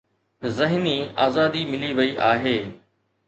ذهني آزادي ملي وئي آهي.